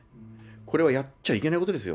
これはやっちゃいけないことですよ。